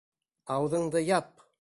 — Ауыҙыңды яп!